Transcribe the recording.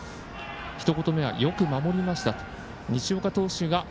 ひと言目は、よく守りましたと。